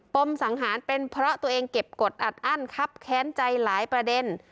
มสังหารเป็นเพราะตัวเองเก็บกฎอัดอั้นครับแค้นใจหลายประเด็น